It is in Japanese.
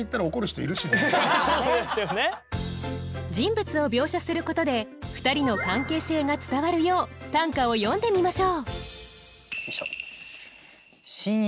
人物を描写することで２人の関係性が伝わるよう短歌を詠んでみましょう。